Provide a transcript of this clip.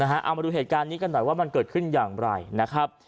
เอามาดูเหตุการณ์นี้กันหน่อยว่ามันเกิดขึ้นอย่างไรนะครับ